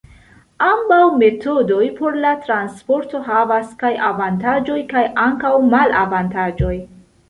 Ambaŭ metodoj por la transporto havas kaj avantaĝoj kaj ankaŭ malavantaĝoj.